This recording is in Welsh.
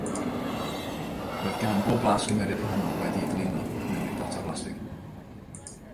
Roedd gan bob blas gymeriad gwahanol wedi'i ddylunio i mewn i'r botel blastig.